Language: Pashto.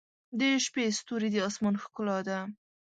• د شپې ستوري د آسمان ښکلا ده.